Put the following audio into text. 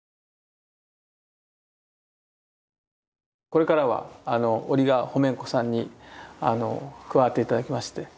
これからはオリガホメンコさんに加わって頂きまして。